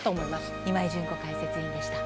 今井純子解説委員でした。